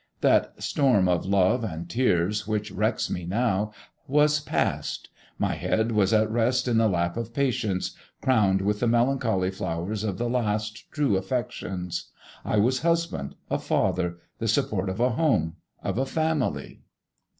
That storm of love and tears which wrecks me now was passed; my head was at rest in the lap of patience, crowned with the melancholy flowers of the last, true affections. I was a husband, a father, the support of a home, of a family.